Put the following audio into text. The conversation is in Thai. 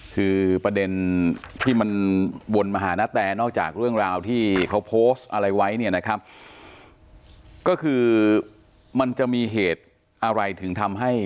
คือประเด็นที่มันวนมาหานาแตนอกจากเรื่องราวที่เขาโพสต์อะไรไว้เนี่ยนะครับก็คือมันจะมีเหตุอะไรถึงทำให้